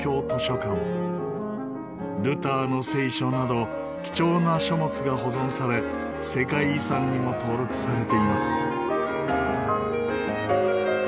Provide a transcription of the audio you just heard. ルターの聖書など貴重な書物が保存され世界遺産にも登録されています。